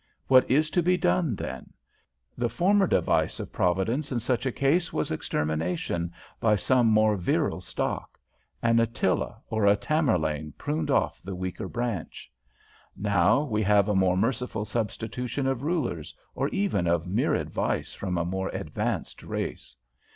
What is to be done, then? The former device of Providence in such a case was extermination by some more virile stock. An Attila or a Tamerlane pruned off the weaker branch. Now, we have a more merciful substitution of rulers, or even of mere advice from a more advanced race.